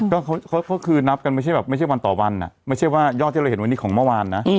ก็คือนับกันไม่ใช่แบบไม่ใช่วันต่อวันไม่ใช่ว่ายอดที่เราเห็นวันนี้ของเมื่อวานนะ